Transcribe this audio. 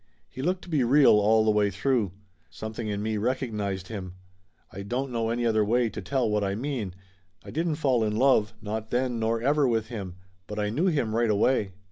He looked to be real all the way through. Something in me recognized him. I don't know any other way to tell what I mean. I didn't fall in love, not then nor ever, with him. But I knew him right away.